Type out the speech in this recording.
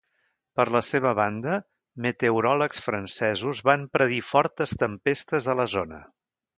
Per la seva banda, meteoròlegs francesos van predir fortes tempestes a la zona.